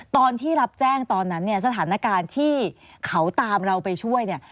ตอนที่รับแจ้งตอนนั้นเนี่ยสถานการณ์ที่เขาตามเราไปช่วยเนี่ย